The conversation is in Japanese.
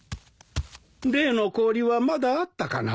例の氷はまだあったかな？